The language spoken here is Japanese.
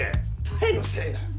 誰のせいだよ！